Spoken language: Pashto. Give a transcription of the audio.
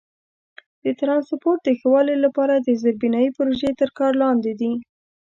د ترانسپورت د ښه والي لپاره زیربنایي پروژې تر کار لاندې دي.